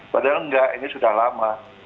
padahal enggak ini sudah lama